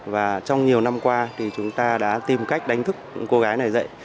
và trong nhiều năm qua thì chúng ta đã tìm cách đánh thức cô gái này dạy